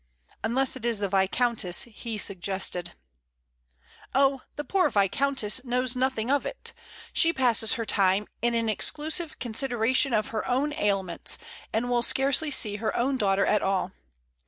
"Unless it is the viscountess," he suggested. "Oh, the poor viscountess knows nothing of it! She passes her time in an exclusive consideration of her own ailments, and will scarcely see her own daughter at all.